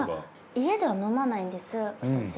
家では飲まないんです私。